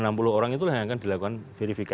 nah enam puluh orang itu yang akan dilakukan verifikasi